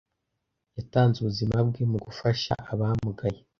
Yatanze ubuzima bwe mu gufasha abamugaye.